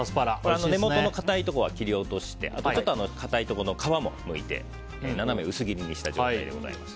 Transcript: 根元の硬いところは切り落としてちょっと硬いところの皮も向いて斜め薄切りにした状態です。